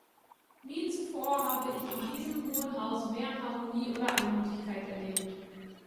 Nie zuvor habe ich in diesem Hohen Haus mehr Harmonie oder Einmütigkeit erlebt.